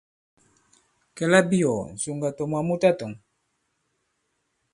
Kɛ̌ labiɔ̀ɔ̀, ŋ̀sùŋgà tɔ̀ mwǎ mu tatɔ̄ŋ.